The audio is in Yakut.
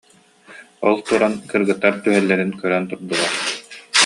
Ол туран кыргыттар түһэллэрин көрөн турдулар